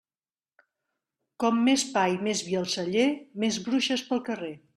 Com més pa i més vi al celler, més bruixes pel carrer.